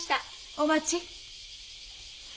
お待ち。